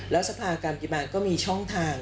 แล้วสภาการปฏิมาก็มีช่องทาง